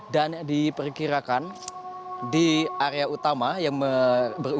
dan diperkirakan di area utama yang berukuran seratus meter x seratus meter ini